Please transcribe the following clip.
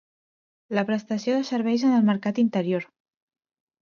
La prestació de serveis en el mercat interior.